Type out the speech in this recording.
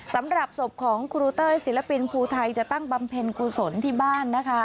สำหรับศพของครูเต้ยศิลปินภูไทยจะตั้งบำเพ็ญกุศลที่บ้านนะคะ